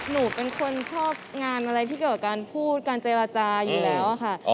หนูเป็นคนชอบงานอะไรที่เกี่ยวกับการพูดการเจรจาอยู่แล้วค่ะ